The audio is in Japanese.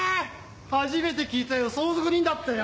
初めて聞いたよ相続人だってよ！